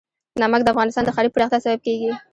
نمک د افغانستان د ښاري پراختیا سبب کېږي.